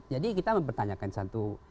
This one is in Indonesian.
jadi kita mempertanyakan satu